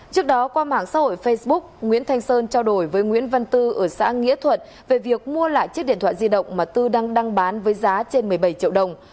trước đó qua mạng xã hội facebook nguyễn thanh sơn trao đổi với nguyễn văn tư ở xã nghĩa thuận về việc mua lại chiếc điện thoại di động mà tư đang đăng bán với giá trên một mươi bảy triệu đồng